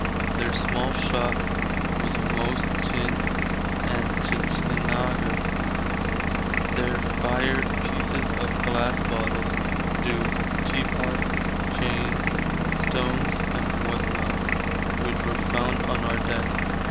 Their small shott were most Tinn and Tuthenage [tutenaga, spelter]. They fired pieces of glass bottles, do. teapots, chains, stones and what not, which were found on our decks.